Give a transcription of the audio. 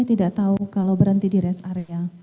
saya tidak tahu kalau berhenti di area sakit